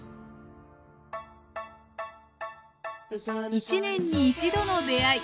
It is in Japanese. １年に１度の出会い。